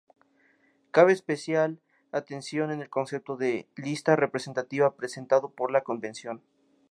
Cabe especial atención el concepto de "Lista Representativa" presentado por la Convención.